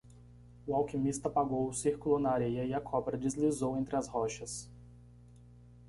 O alquimista apagou o círculo na areia e a cobra deslizou entre as rochas.